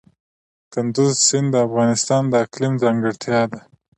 کندز سیند د افغانستان د اقلیم ځانګړتیا ده.